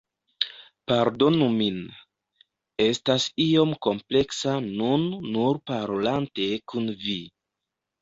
Pardonu min, estas iom kompleksa nun nur parolante kun vi.